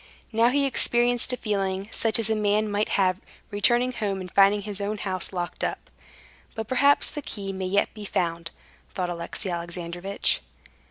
Now he experienced a feeling such as a man might have, returning home and finding his own house locked up. "But perhaps the key may yet be found," thought Alexey Alexandrovitch.